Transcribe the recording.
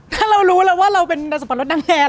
ถ้าเรารู้แล้วว่าเราเป็นสับปะรดนางแฮน